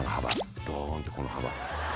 ドーンとこの幅。